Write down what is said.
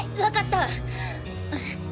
わかった！